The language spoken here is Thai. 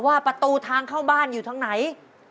ประตูทางเข้าบ้านอยู่ทางไหน